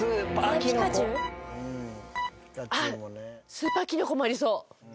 スーパーキノコもありそう。